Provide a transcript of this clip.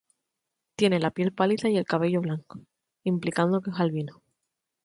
Tiene la piel pálida y el cabello blanco, implicando que es un albino.